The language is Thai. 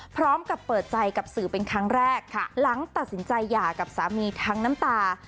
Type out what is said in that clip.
พร้อมกับเปิดใจกับสื่อเป็นครั้งแรกหลังตัดสินใจหย่ากับสามีทั้งน้ำตา